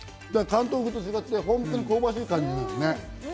関東風と違って香ばしい感じ。